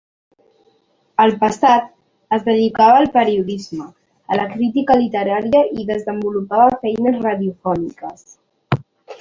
Al passat, es dedicava al periodisme, a la crítica literària i desenvolupava feines radiofòniques.